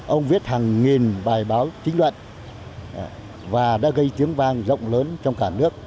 ông viết hàng nghìn bài báo chính luận và đã gây tiếng vang rộng lớn trong cả nước